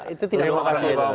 itu tidak berhasil